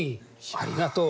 ありがとう。